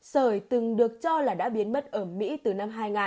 sởi từng được cho là đã biến mất ở mỹ từ năm hai nghìn